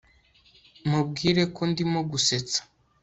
mubwire ko ndimo gusetsa